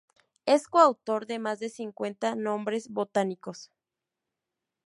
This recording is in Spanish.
Es coautor de más de cincuenta nombres botánicos.